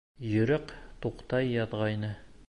Йөрәк туҡтай яҙғайны.